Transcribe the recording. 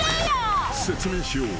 ［説明しよう］